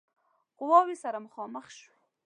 قواوې سره مخامخ شوې.